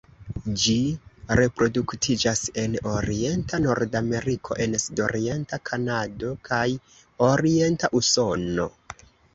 Ĝi reproduktiĝas en orienta Nordameriko en sudorienta Kanado kaj orienta Usono.